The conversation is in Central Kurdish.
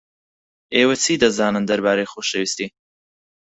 ئێوە چی دەزانن دەربارەی خۆشەویستی؟